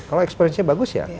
kalau experience nya bagus ya